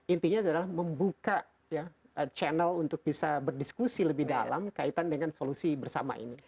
intinya adalah membuka channel untuk bisa berdiskusi lebih dalam kaitan dengan solusi bersama ini